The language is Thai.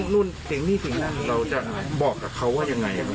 นู่นเสียงนี่เสียงนั่นเราจะบอกกับเขาว่ายังไง